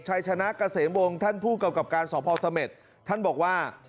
ชัยชนะเกษมวงท่านผู้กำกับการสพเสม็ดท่านบอกว่า